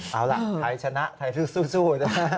เออเอาล่ะใครชนะใครสู้